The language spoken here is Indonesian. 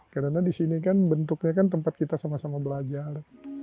karena di sini kan bentuknya kan tempat kita sama sama belajar